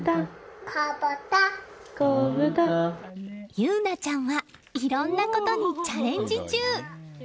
優菜ちゃんはいろんなことにチャレンジ中！